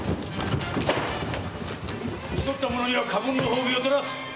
討ち取った者には過分の褒美をとらす。